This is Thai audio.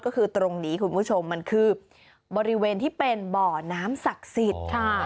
ก็คือตรงนี้คุณผู้ชมมันคือบริเวณที่เป็นบ่อน้ำศักดิ์สิทธิ์ค่ะ